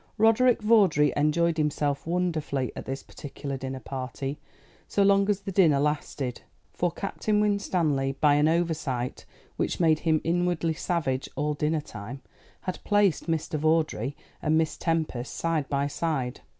Roderick Vawdrey enjoyed himself wonderfully at this particular dinner party, so long as the dinner lasted; for Captain Winstanley, by an oversight which made him inwardly savage all dinner time, had placed Mr. Vawdrey and Miss Tempest side by side.